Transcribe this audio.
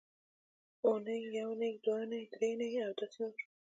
اونۍ یونۍ دونۍ درېنۍ او داسې نور